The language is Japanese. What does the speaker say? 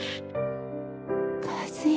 和也